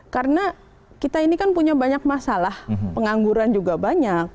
karena kita ini kan punya banyak masalah pengangguran juga banyak